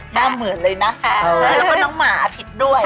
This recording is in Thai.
แล้วก็น้องหมาอภิตด้วย